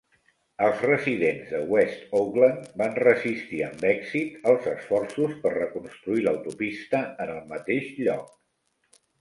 Els residents de West Oakland van resistir amb èxit els esforços per reconstruir l'autopista en el mateix lloc.